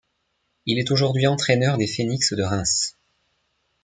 Il est aujourd'hui entraîneur des Phénix de Reims.